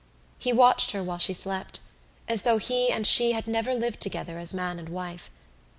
He watched her while she slept as though he and she had never lived together as man and wife.